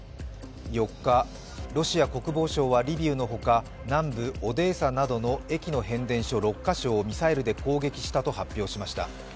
４日、ロシア国防省はリビウのほか南部オデーサの変電所や駅をミサイルで攻撃したと発表しました。